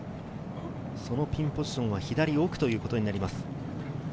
そのピンポジションは左奥ということになります。